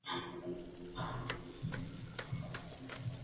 Escribió centenares de artículos en la revista "Siempre!